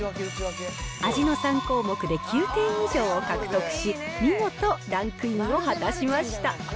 味の３項目で９点以上を獲得し、見事ランクインを果たしました。